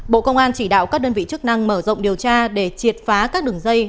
bộ công an chỉ đạo các đơn vị chức năng mở rộng điều tra để triệt phá các đường dây